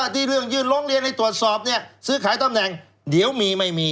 ที่เรื่องยื่นร้องเรียนให้ตรวจสอบซื้อขายตำแหน่งเดี๋ยวมีไม่มี